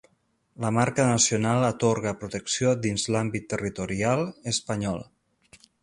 La marca nacional atorga protecció dins l'àmbit territorial espanyol.